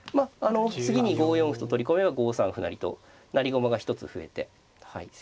次に５四歩と取り込めば５三歩成と成駒が一つ増えて攻めに。